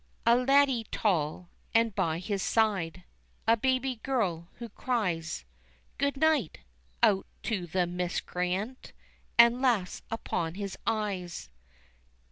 A laddie tall, and by his side A baby girl, who cries Good night! out to the miscreant, And laughs up in his eyes.